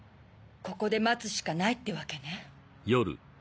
ここで待つしかないってわけね。